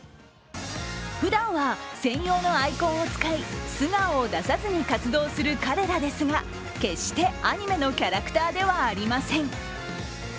ふだんは専用のアイコンを使い、素顔を出さずに活動する彼らですが、決してアニメのキャラクターではありません。